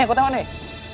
nih kau tau gak nih